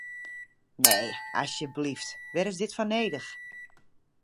Nee, asjeblyft, wêr is dit foar nedich?